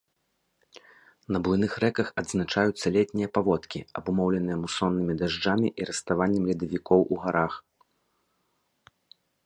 На буйных рэках адзначаюцца летнія паводкі, абумоўленыя мусоннымі дажджамі і раставаннем ледавікоў у гарах.